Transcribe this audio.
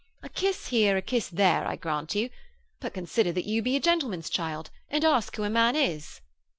A kiss here, a kiss there, I grant you. But consider that you be a gentleman's child, and ask who a man is.'